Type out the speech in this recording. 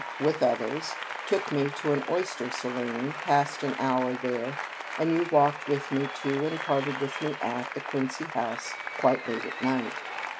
624 APPENDIX. with others, took me to an oyster saloon, passed an hour there, and you walked with me to, and parted with me at, the Quincy House quite late at night.